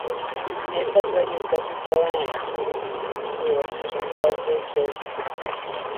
Esta playa está situada en la zona suroccidental de Ceuta.